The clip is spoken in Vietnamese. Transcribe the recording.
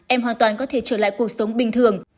em hoàn toàn có thể trở lại cuộc sống bình thường